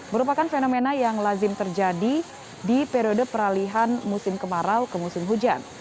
merupakan fenomena yang lazim terjadi di periode peralihan musim kemarau ke musim hujan